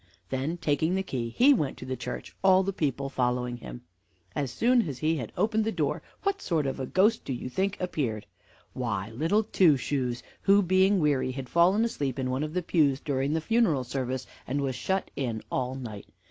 Then taking the key, he went to the church, all the people following him. As soon as he had opened the door, what sort of a ghost do you think appeared? Why, Little Two Shoes, who being weary had fallen asleep in one of the pews during the funeral service, and was shut in all night.